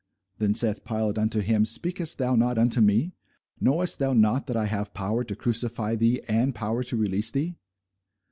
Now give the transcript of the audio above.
Then saith Pilate unto him, Speakest thou not unto me? knowest thou not that I have power to crucify thee, and have power to release thee?